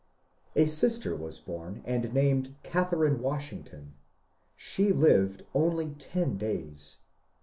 A sister was bom and named Catberine Wasbington. Sbe lived only ten days.